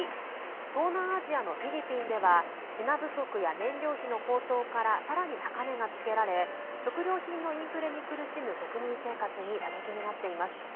東南アジアのフィリピンでは品不足や燃料費の高騰からさらに高値がつけられ食料品のインフレに苦しむ国民生活に打撃になっています。